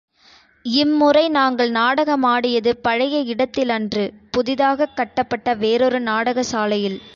இம்முறை நாங்கள் நாடகமாடியது பழைய இடத்திலன்று புதிதாகக் கட்டப்பட்ட வேறொரு நாடக சாலையில்.